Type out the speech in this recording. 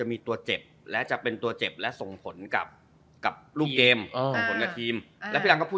มันจะต้องมีแห่งจำเป็นถูกประตู